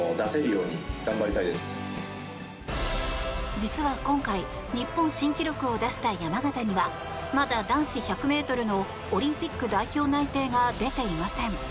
実は今回、日本新記録を出した山縣にはまだ男子１００ｍのオリンピック代表内定が出ていません。